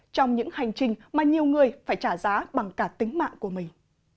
trong những hành trình mà nhiều người phải trả giá bằng cả tính mạng của mình